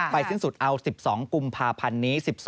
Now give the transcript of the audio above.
สิ้นสุดเอา๑๒กุมภาพันธ์นี้๑๒